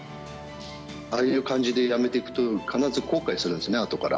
ああいう感じでやめていくと必ずあとから後悔するんですね。